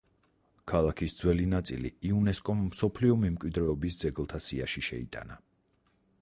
ქალაქის ძველი ნაწილი იუნესკომ მსოფლიო მემკვიდრეობის ძეგლთა სიაში შეიტანა.